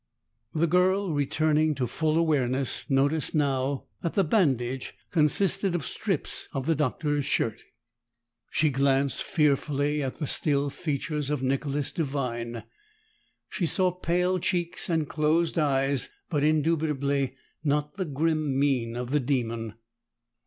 The girl, returning to full awareness, noticed now that the bandage consisted of strips of the Doctor's shirt. She glanced fearfully at the still features of Nicholas Devine; she saw pale cheeks and closed eyes, but indubitably not the grim mien of the demon.